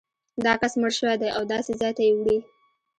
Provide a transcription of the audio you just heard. دا کس مړ شوی دی او داسې ځای ته یې وړي.